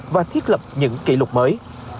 và thiết lập những kỷ lục mới